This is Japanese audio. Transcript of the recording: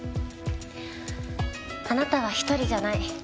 あなたは一人じゃない。